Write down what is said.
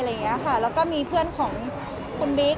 แล้วก็มีเพื่อนของคุณบิ๊ก